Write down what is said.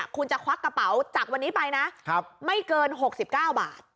คุณจะควักกระเป๋าจากวันนี้ไปนะไม่เกิน๖๙บาท